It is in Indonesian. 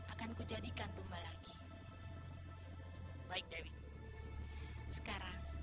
akan kujadikan tumba lagi baik dewi sekarang